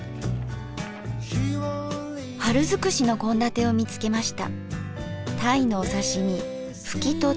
春づくしの献立を見つけました。